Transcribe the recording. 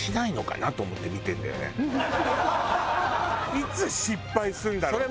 いつ失敗するんだろう？って。